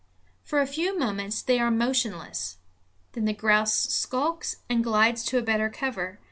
For a few moments they are motionless; then the grouse skulks and glides to a better cover.